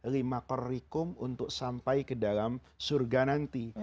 lima korikum untuk sampai ke dalam surga nanti